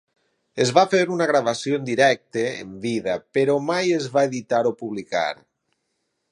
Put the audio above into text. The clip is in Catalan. Es va fer una gravació en directe en vida però mai es va editar o publicar.